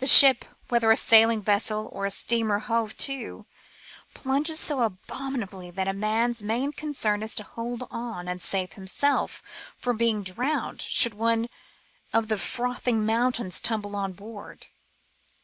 The ship, whether a sailing vessel or a steamer hove too, plunges so abominably that a man's main concern is to hold on and save him self from being drowned should one of the frothing mountains tumble on board.